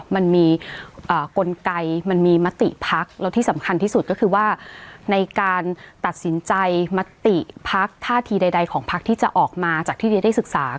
มันมีกลไกมันมีมติพักแล้วที่สำคัญที่สุดก็คือว่าในการตัดสินใจมติพักท่าทีใดของพักที่จะออกมาจากที่เดียได้ศึกษา